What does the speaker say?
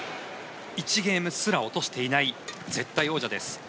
１ゲームすら落としていない絶対王者です